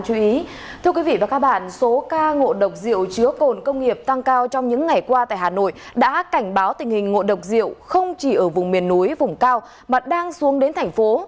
các ngộ độc rượu chứa cồn công nghiệp tăng cao trong những ngày qua tại hà nội đã cảnh báo tình hình ngộ độc rượu không chỉ ở vùng miền núi vùng cao mà đang xuống đến thành phố